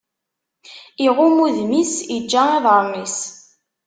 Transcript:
Iɣumm udem-is, iǧǧa iḍaṛṛen is.